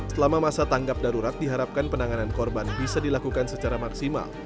selama masa tanggap darurat diharapkan penanganan korban bisa dilakukan secara maksimal